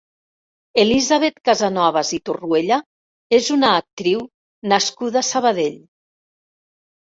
Elisabet Casanovas i Torruella és una actriu nascuda a Sabadell.